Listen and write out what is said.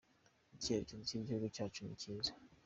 Icyerekezo cy'igihugu cyacu ni kiza.